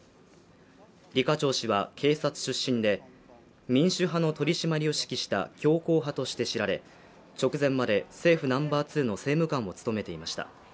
李家超氏は警察出身で民主派の取締りを指揮した強硬派として知られ直前まで政府ナンバー２の政務官を務めていました。